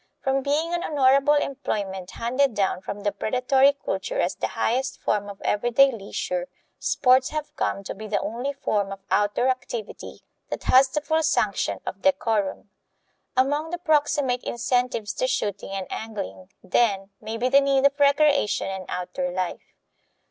From being an honorable employment handed down from the predatory culture as the highest form of everyday leisure, sports have come to be the only form of outdoor activity that has the full sanction of decorum. Among the proximate incentives to shooting and angling, then, may be the need of recreation and outdoor life.